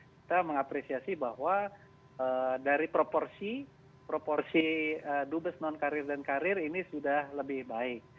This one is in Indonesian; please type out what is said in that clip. kita mengapresiasi bahwa dari proporsi proporsi dubes non karir dan karir ini sudah lebih baik